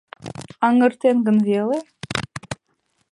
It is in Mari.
Аҥырген гын веле?»